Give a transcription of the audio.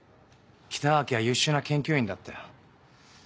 北脇は優秀な研究員だったよ。